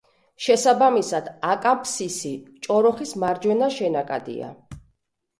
შესაბამისად აკამფსისი ჭოროხის მარჯვენა შენაკადია.